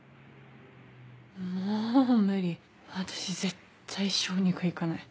もう無理私絶対小児科行かない。